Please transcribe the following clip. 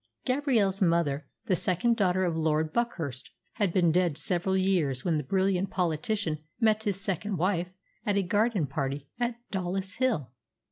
Gabrielle's mother, the second daughter of Lord Buckhurst, had been dead several years when the brilliant politician met his second wife at a garden party at Dollis Hill.